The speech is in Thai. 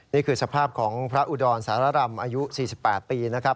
นี่คือสภาพของพระอุดรสารรำอายุ๔๘ปีนะครับ